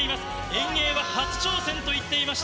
遠泳は初挑戦と言っていました、